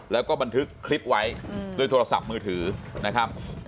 แล้วก็บันทึกคลิปไว้ด้วยโทรศัพท์มือถือนะครับ